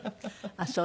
あっそう。